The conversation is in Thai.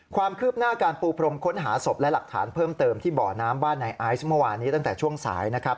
ความคืบหน้าการปูพรมค้นหาศพและหลักฐานเพิ่มเติมที่บ่อน้ำบ้านนายไอซ์เมื่อวานนี้ตั้งแต่ช่วงสายนะครับ